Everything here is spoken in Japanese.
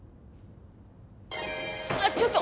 あっちょっと。